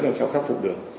làm sao khắc phục được